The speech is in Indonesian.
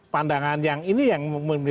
pandangan yang ini yang